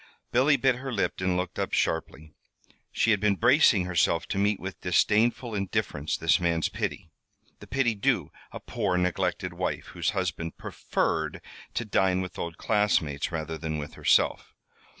Billy bit her lip and looked up sharply. She had been bracing herself to meet with disdainful indifference this man's pity the pity due a poor neglected wife whose husband preferred to dine with old classmates rather than with herself.